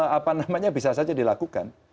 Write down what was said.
apa namanya bisa saja dilakukan